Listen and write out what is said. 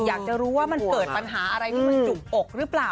อยากจะรู้ว่ามันเกิดปัญหาอะไรที่มันจุกอกหรือเปล่า